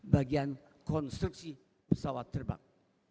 bagian konstruksi pesawat terbang